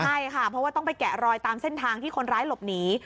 ใช่ค่ะเพราะว่าต้องไปแกะรอยตามเส้นทางที่คนร้ายหลบหนี